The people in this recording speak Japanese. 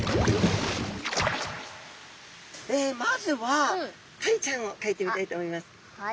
まずはタイちゃんをかいてみたいと思います。